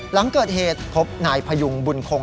หลังเกิดเหตุพบนายพยุงบุญคง